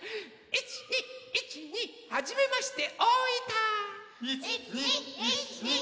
１２１２はじめまして大分！